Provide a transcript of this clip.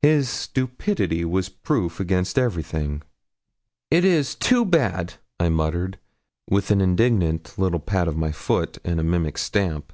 His stupidity was proof against everything. 'It is too bad!' I muttered, with an indignant little pat of my foot and mimic stamp.